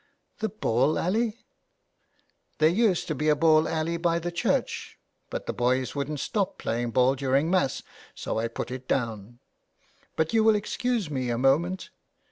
" The ball alley !"" There used to be a ball alley by the church but the boys wouldn't stop playing ball during Mass, so I put it down. But you will excuse me a moment."